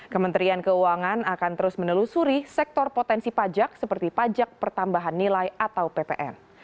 kementerian keuangan akan terus menelusuri sektor potensi pajak seperti pajak pertambahan nilai atau ppn